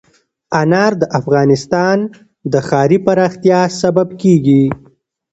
انار د افغانستان د ښاري پراختیا سبب کېږي.